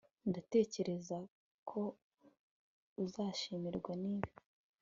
ndatekereza ko uzashimishwa nibi